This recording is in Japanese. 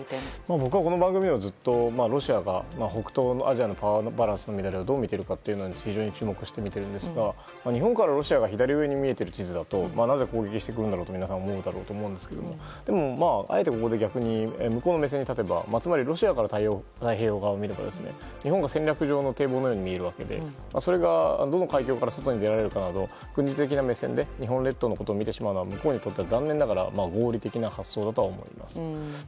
僕はこの番組でもずっとロシアがアジアのパワーバランスの乱れをどう見ているかを非常に注目してるんですが日本から、ロシアが左上に見える地図だとなぜ攻撃してくるんだろうと思うと思われますがあえて逆に向こうの目線に立てばロシアから太平洋側を見れば日本が戦略上の堤防のように見えるわけでそれがどこから外に出るかなど軍事的な目線で日本列島を見てしまうのは向こうからすれば残念ながら合理的な発想だと思います。